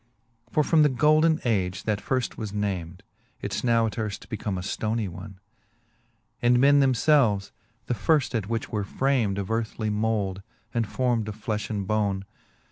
For from the golden age, that firft was named, It's now as earft become a ftonie one ; •And men themfelves, the which at firft were framed Of earthly mould, and form'd of flefh and bone.